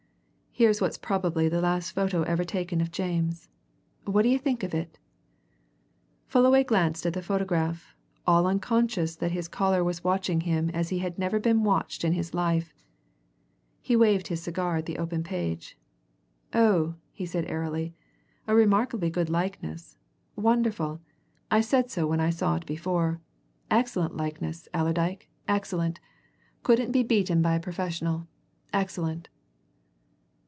"Here's what's probably the last photo ever taken of James. What d'ye think of it?" Fullaway glanced at the photograph, all unconscious that his caller was watching him as he had never been watched in his life. He waved his cigar at the open page. "Oh!" he said airily. "A remarkably good likeness wonderful! I said so when I saw it before excellent likeness, Allerdyke, excellent! Couldn't be beaten by a professional. Excellent!"